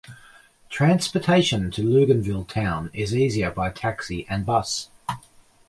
Transportation to Luganville town is easier by taxi and bus.